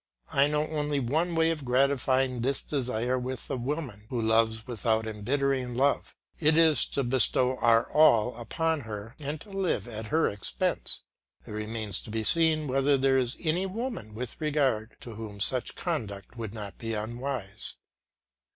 I know only one way of gratifying this desire with the woman one loves without embittering love; it is to bestow our all upon her and to live at her expense. It remains to be seen whether there is any woman with regard to whom such conduct would not be unwise.